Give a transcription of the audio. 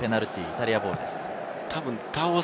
イタリアボールです。